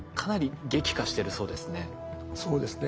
そうですね。